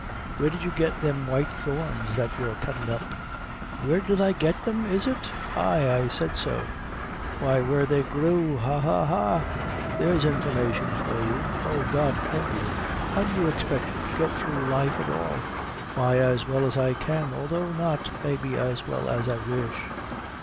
"Where did you get them white thorns that you're cuttin' up?" "Where did I get them, is it?" "Ay; I said so." "Why, where they grew ha, ha, ha! There's information for you." "Oh, God help you! how do you expect to get through life at all?" "Why, as well as I can although not, maybe, as well as I wish."